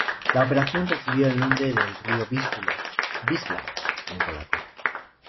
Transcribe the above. La operación recibió el nombre del río Vístula, Wisła en polaco.